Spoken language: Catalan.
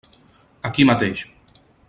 Aquí mateix.